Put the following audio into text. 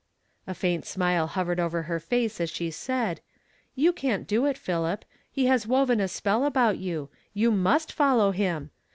A faint smile hovered over lier face as she said, " You can't do it, Philip ; he has woven a spell about you ; you must follow him.